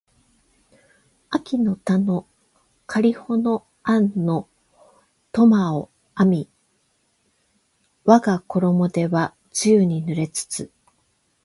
秋の田のかりほの庵の苫を荒みわがころも手は露に濡れつつ